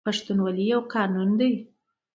پښتونولي یو قانون دی